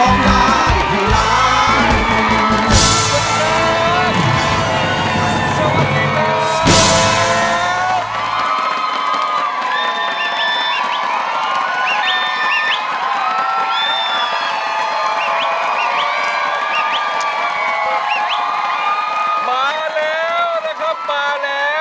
มากันแล้วนะครับมาแล้ว